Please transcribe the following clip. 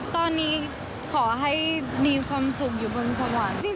ตอนนี้ขอให้มีความสุขอยู่บนสวรรค์